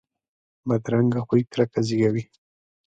بدرنګه خوی کرکه زیږوي